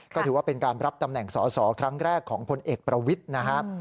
ก็ถือว่าเป็นการรับตำแหน่งสอสอครั้งแรกของพลเอกประวิทย์นะครับ